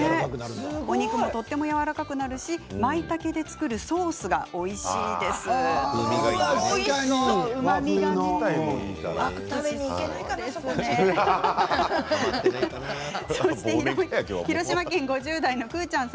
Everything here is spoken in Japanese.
お肉もとてもやわらかくなるしまいたけで作るソースが知っていたんだ。